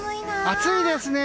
暑いですね。